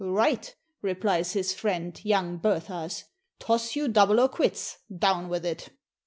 "Right," replies his friend young "Berthas": "toss you double or quits. Down with it!"